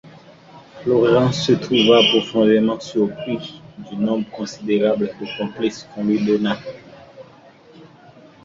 Florent se trouva profondément surpris du nombre considérable de complices qu’on lui donna.